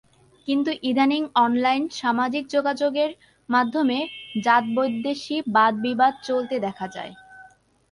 কিন্তু ইদানীং অনলাইন সামাজিক যোগাযোগের মাধ্যমে জাতবিদ্বেষী বাদ-বিবাদ চলতে দেখা যায়।